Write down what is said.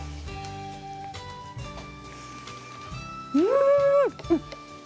うん！